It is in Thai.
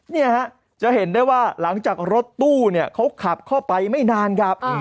เนี่ยฮะจะเห็นได้ว่าหลังจากรถตู้เนี่ยเขาขับเข้าไปไม่นานครับ